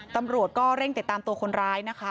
ตำรวจก็เร่งติดตามตัวคนร้ายนะคะ